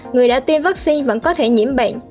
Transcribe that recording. người đã tiêm vaccine vẫn có thể nhiễm bệnh